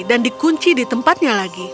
dan dikunci di tempatnya lagi